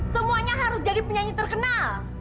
semuanya harus jadi penyanyi terkenal